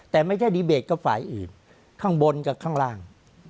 แต่ไม่ใช่ดีเบตกับฝ่ายอื่นข้างบนกับข้างล่าง